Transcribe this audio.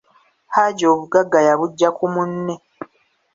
Hajji obuggaga yabugya ku munne.